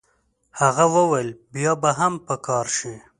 هغه وویل بیا به هم په کار شي.